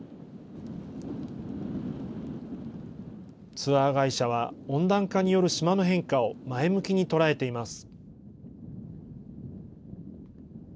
ツアー会社は温暖化による島の変化を前向きに捉えています。